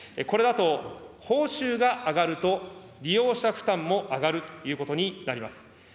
これだと報酬が上がると利用者負担も上がるということになります。